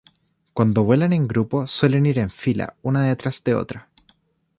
Cuando vuelan en grupo, suelen ir en fila, una detrás de otra.